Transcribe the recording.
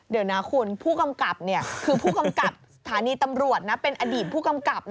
เดี๋ยวนะคุณผู้กำกับคือผู้กำกับสถานีตำรวจนะเป็นอดีตผู้กำกับ